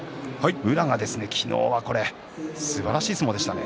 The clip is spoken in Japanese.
宇良はすばらしい相撲でしたね。